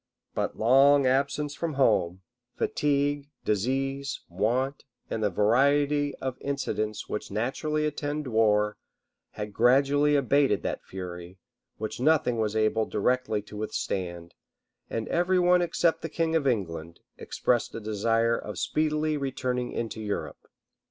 But long absence from home, fatigue, disease, want, and the variety of incidents which naturally attend war, had gradually abated that fury, which nothing was able directly to withstand; and every one except the king of England, expressed a desire of speedily returning into Europe.